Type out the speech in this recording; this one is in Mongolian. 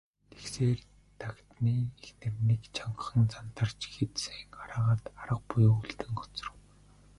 Тэгсээр, Дагданы эхнэр нэг чангахан зандарч хэд сайн хараагаад арга буюу үлдэн хоцров.